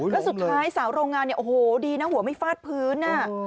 และสุดท้ายสาวโรงงานโหดีนะหัวไม่ฟาดพื้น